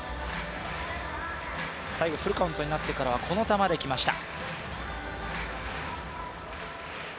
最後、フルカウントになってからは、この球で来ました。